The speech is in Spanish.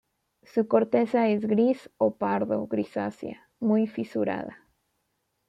Su corteza es gris o pardo grisácea, muy fisurada.